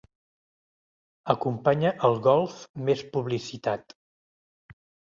Acompanya el Golf més publicitat.